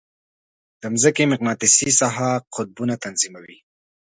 د مځکې مقناطیسي ساحه قطبونه تنظیموي.